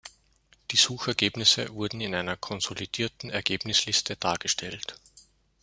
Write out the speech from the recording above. Die Suchergebnisse wurden in einer konsolidierten Ergebnisliste dargestellt.